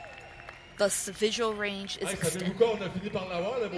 Thus the visual range is extended.